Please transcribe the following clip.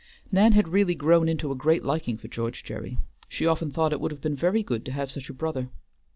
Nan had really grown into a great liking for George Gerry. She often thought it would have been very good to have such a brother.